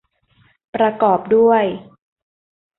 ประกอบด้วย